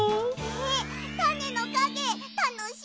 えったねのかげたのしみ！